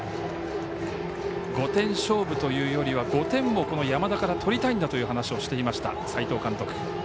５点勝負というよりは５点を、山田から取りたいんだと話していました斎藤監督。